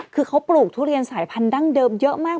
คือเขาปลูกทุเรียนสายพันธั้งเดิมเยอะมาก